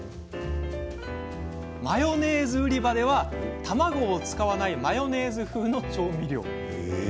マヨネーズ売り場では、卵を使わないマヨネーズ風の調味料。